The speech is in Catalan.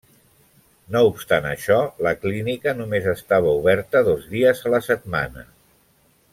No obstant això, la clínica només estava oberta dos dies a la setmana.